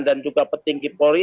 dan juga petinggi polri